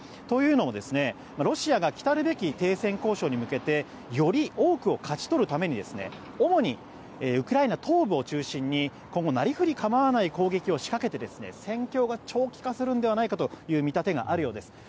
というのも、ロシアが来るべき停戦交渉に向けてより多くを勝ち取るために主にウクライナ東部を中心に今後、なりふり構わない攻撃を仕掛けて戦況が長期化するのではないかという見立てがあるようです。